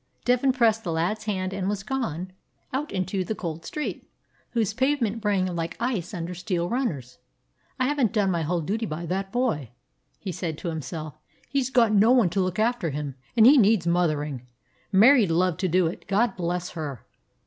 Devin pressed the lad's hand and was gone 166 A BROOKLYN DOG out into the cold street, whose pavement rang like ice under steel runners. "I have n't done my whole duty by that boy," he said to him self. "He 's got no one to look after him, and he needs mothering. Mary 'd love to do it, God bless her!"